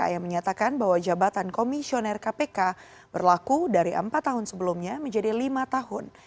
yang menyatakan bahwa jabatan komisioner kpk berlaku dari empat tahun sebelumnya menjadi lima tahun